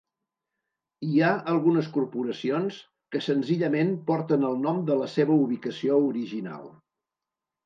Hi ha algunes corporacions que senzillament porten el nom de la seva ubicació original.